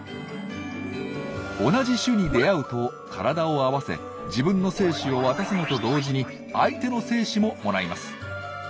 同じ種に出会うと体を合わせ自分の精子を渡すのと同時に相手の精子ももらいます。